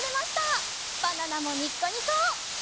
バナナもニッコニコ！